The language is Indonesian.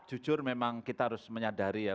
jujur memang kita harus menyadari ya